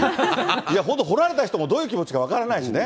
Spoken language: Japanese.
いや本当、掘られた人もどういう気持ちか分からないしね。